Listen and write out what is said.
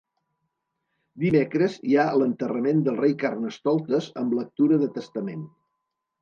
Dimecres hi ha l'enterrament del Rei Carnestoltes amb lectura de testament.